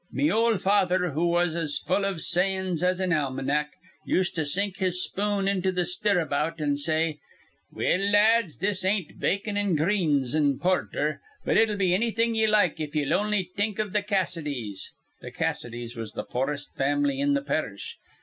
"Me ol' father, who was as full iv sayin's as an almanac, used to sink his spoon into th' stirabout, an' say, 'Well, lads, this ain't bacon an' greens an' porther; but it'll be annything ye like if ye'll on'y think iv th' Cassidys.' Th' Cassidys was th' poorest fam'ly in th' parish.